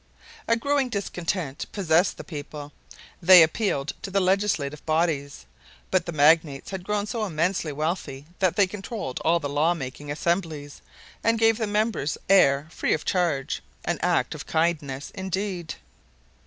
A growing discontent possessed the people. They appealed to the legislative bodies, but the magnates had grown so immensely wealthy that they controlled all the law making assemblies and gave the members air free of charge, an act of kindness indeed.